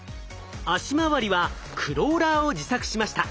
足まわりはクローラーを自作しました。